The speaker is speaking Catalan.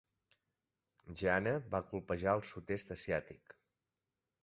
Jeana va colpejar el sud-est asiàtic.